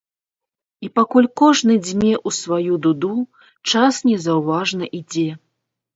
І пакуль кожны дзьме ў сваю дуду, час незаўважна ідзе.